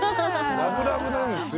ラブラブなんですよ。